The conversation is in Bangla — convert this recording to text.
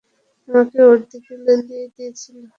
আমাকে ওর দিকে লেলিয়ে দিয়েছিলে।